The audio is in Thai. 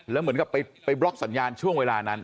แล้วเหมือนกับไปบล็อกสัญญาณช่วงเวลานั้น